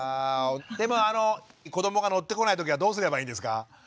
でも子どもが乗ってこない時はどうすればいいんですか？